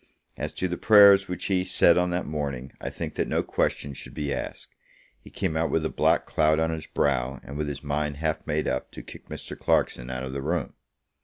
As to the prayers which he said on that morning, I think that no question should be asked. He came out with a black cloud on his brow, and with his mind half made up to kick Mr. Clarkson out of the room.